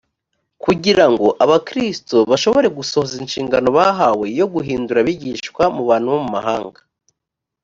kugira ngo abakristo bashobore gusohoza inshingano bahawe yo guhindura abigishwa mu bantu bo mu mahanga